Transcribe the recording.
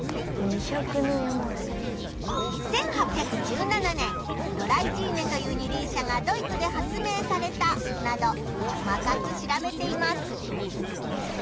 「１８１７年ドライジーネという二輪車がドイツで発明された」など細かく調べています。